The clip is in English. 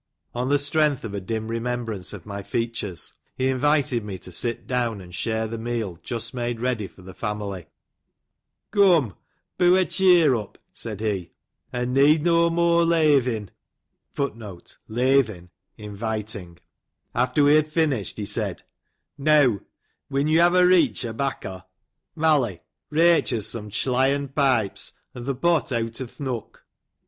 On the strength of a dim remembrance of my features, he invited me to sit down and share the meal just made ready for the family. " Come, poo a cheer up," said he, " an' need no moor lathein'."* After we had finished, he said, " Neaw, win yo have a reech o' bacco ? Mally, reytch us some chlyen pipes, an th' pot eot o'th' nook.